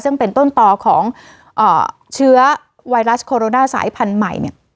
ซึ่งเป็นต้นต่อของเชื้อไวรัสโคโรนาสายพันธุ์ใหม่เนี่ย